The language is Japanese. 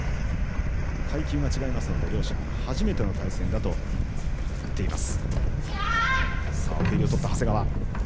階級が違いますので、両者初めての対戦だと言っています。